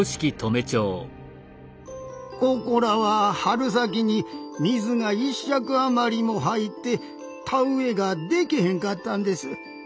ここらは春先に水が１尺余りも入って田植えがでけへんかったんです。